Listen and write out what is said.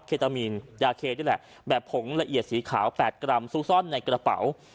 ตามีนยาเคนี่แหละแบบผงละเอียดสีขาว๘กรัมซุกซ่อนในกระเป๋า